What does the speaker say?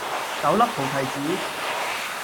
九粒菩提子